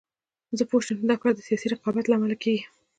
زه پوه شوم چې دا کار سیاسي رقابت له امله کېږي.